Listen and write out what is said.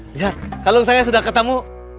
lihat kalau saya sudah ketemu